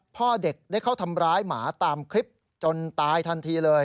พ่อเด็กได้เข้าทำร้ายหมาตามคลิปจนตายทันทีเลย